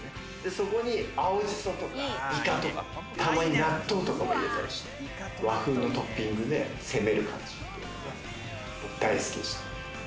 そこに青じそとか、イカとか、たまに納豆とかも入れたりして和風のトッピングで攻める感じとか、僕、大好きでしたね。